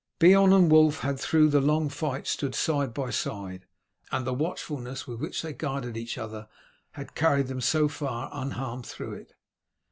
Beorn and Wulf had, through the long fight, stood side by side, and the watchfulness with which they guarded each other had carried them so far unharmed through it.